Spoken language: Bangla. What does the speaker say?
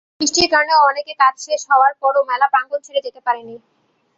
বৃষ্টির কারণে অনেকে কাজ শেষ হওয়ার পরও মেলা প্রাঙ্গণ ছেড়ে যেতে পারেননি।